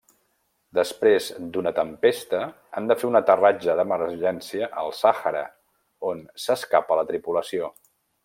Després d’una tempesta han de fer un aterratge d'emergència al Sàhara, on s'escapa la tripulació.